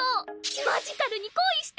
「マジカルに恋して」。